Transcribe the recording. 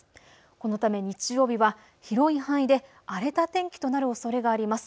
このため日曜日は広い範囲で荒れた天気となるおそれがあります。